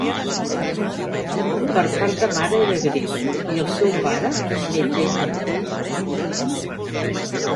Per part de mare era grec i el seu pare un metge italià.